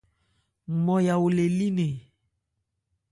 Nmɔya ole lí nnɛn.